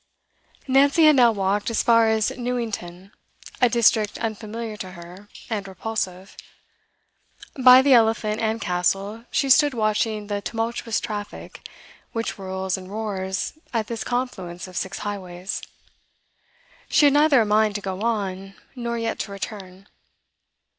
Nancy had now walked as far as Newington, a district unfamiliar to her, and repulsive. By the Elephant and Castle she stood watching the tumultuous traffic which whirls and roars at this confluence of six highways; she had neither a mind to go on, nor yet to return.